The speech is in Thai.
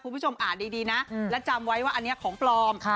คุณผู้ชมอ่านดีนะและจำไว้ว่าอันนี้ของปลอม